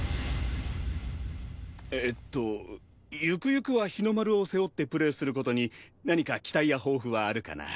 えっとゆくゆくは日の丸を背負ってプレーする事に何か期待や抱負はあるかな？